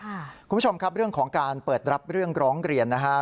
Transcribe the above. คุณผู้ชมครับเรื่องของการเปิดรับเรื่องร้องเรียนนะฮะ